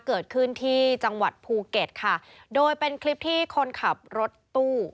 เกิดขึ้นที่จังหวัดภูเก็ตค่ะโดยเป็นคลิปที่คนขับรถตู้